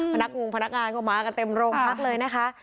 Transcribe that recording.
นักงงพนักงานก็มากันเต็มโรงพักเลยนะคะ